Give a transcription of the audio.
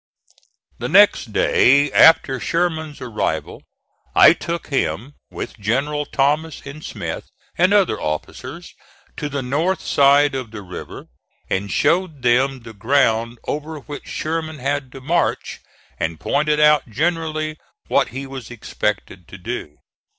The next day after Sherman's arrival I took him, with Generals Thomas and Smith and other officers, to the north side of the river, and showed them the ground over which Sherman had to march, and pointed out generally what he was expected to do.